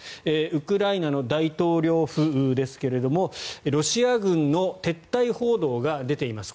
ウクライナの大統領府ですがロシア軍の撤退報道が出ています。